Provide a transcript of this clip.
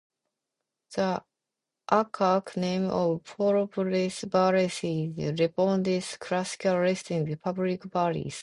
The archaic name of Poplios Valesios is rendered in Classical Latin as "Publius Valerius".